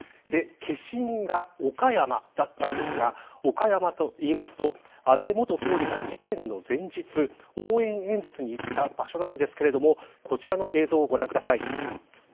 消印が岡山だったんですが岡山といいますと安倍元総理が事件の前日応援演説に行った場所なんですけれどもこちらの映像をご覧ください。